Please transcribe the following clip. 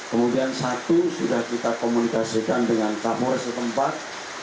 kemudian satu sudah kita komunikasikan dengan kapolres setempat